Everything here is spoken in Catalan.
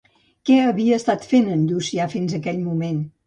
Què havia estat fent en Llucià fins aquell moment?